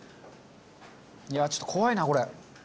いやちょっと怖いなこれ。